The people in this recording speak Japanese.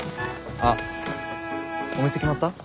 あっお店決まった？